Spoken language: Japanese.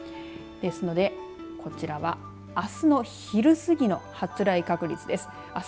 ですので、こちらはあすの昼過ぎの発雷確率です。